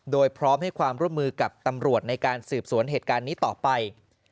โดยพร้อมให้ความร่วมมือกับตำรวจในการสืบสวนเหตุการณ์นี้ต่อไป